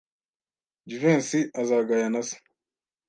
Jivency azagaya na se.